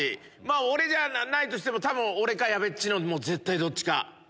俺じゃないとしても俺か矢部っちの絶対どっちか。